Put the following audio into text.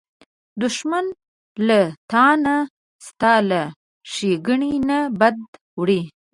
دښمن له تا نه، ستا له ښېګڼې نه بد وړي